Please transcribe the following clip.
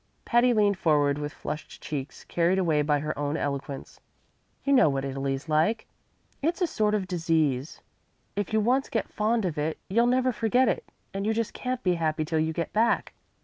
Patty leaned forward with flushed cheeks, carried away by her own eloquence. "You know what Italy's like. It's a sort of disease. If you once get fond of it you'll never forget it, and you just can't be happy till you get back.